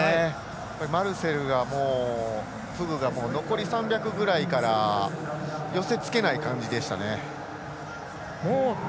マルセルが、フグが残り３００ぐらいから寄せつけない感じでしたね。